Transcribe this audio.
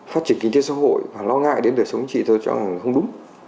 phát triển kinh tế xã hội và lo ngại đến đời sống của chị tôi chẳng đúng